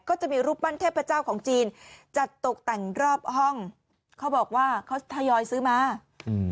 ก็จะมีรูปปั้นเทพเจ้าของจีนจัดตกแต่งรอบห้องเขาบอกว่าเขาทยอยซื้อมาอืม